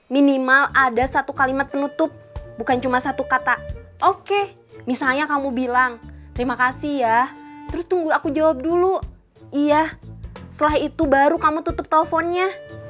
minimal ada satu kalimat penutup bukan cuma satu kata oke misalnya kamu bilang terima kasih ya terus tunggu aku jawab dulu iya setelah itu baru kamu tutup teleponnya